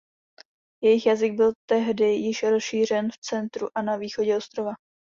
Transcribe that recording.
Jejich jazyk byl tehdy již rozšířen v centru a na východě ostrova.